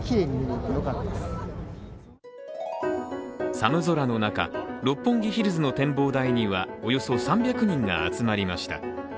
寒空の中、六本木ヒルズの展望台にはおよそ３００人が集まりました。